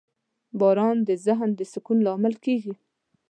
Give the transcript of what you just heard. • باران د ذهن د سکون لامل کېږي.